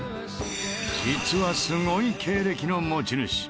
実はすごい経歴の持ち主。